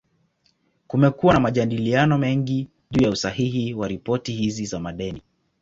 Kumekuwa na majadiliano mengi juu ya usahihi wa ripoti hizi za madeni.